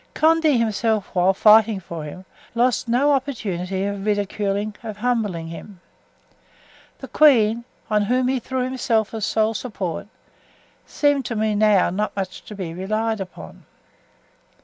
Condé himself, whilst fighting for him, lost no opportunity of ridiculing, of humbling him. The queen, on whom he threw himself as sole support, seemed to him now not much to be relied upon.